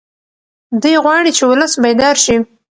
دی غواړي چې ولس بیدار شي.